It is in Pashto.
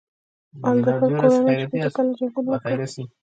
آل مظفر کورنۍ شپېته کاله جنګونه وکړل.